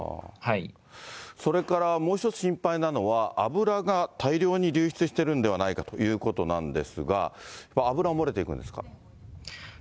それからもう一つ心配なのは、油が大量に流出してるんではないかということなんですが、油は漏れていくんですか？